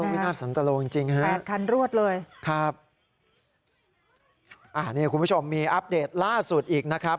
วินาทสันตะโลจริงฮะครับคุณผู้ชมมีอัปเดตล่าสุดอีกนะครับ